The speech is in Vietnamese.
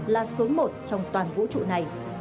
là số một trong toàn vũ trụ này